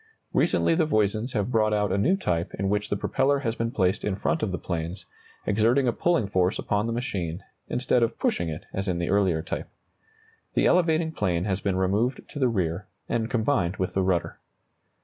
Recently the Voisins have brought out a new type in which the propeller has been placed in front of the planes, exerting a pulling force upon the machine, instead of pushing it as in the earlier type. The elevating plane has been removed to the rear, and combined with the rudder.